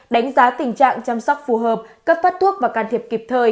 đánh giá tình trạng chăm sóc phù hợp cấp phát thuốc và can thiệp kịp thời